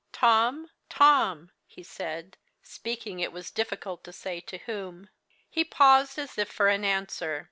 "Tom! Tom!" he said, speaking it was difficult to say to whom. He paused, as if for an answer.